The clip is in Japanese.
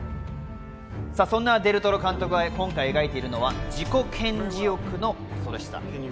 そんなデル・トロ監督が今回描いているのは、自己顕示欲の恐ろしさ。